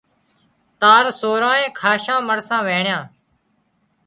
تار سورانئين کاشان مرسان وينڻيان